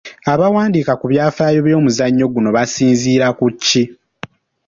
Abawandiika ku byafaayo by’omuzannyo guno basinziira ku ki?